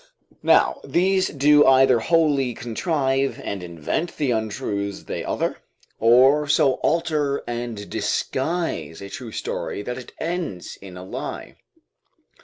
Now, these do either wholly contrive and invent the untruths they utter, or so alter and disguise a true story that it ends in a lie.